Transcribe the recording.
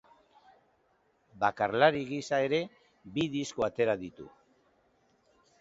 Bakarlari gisa ere bi disko atera ditu.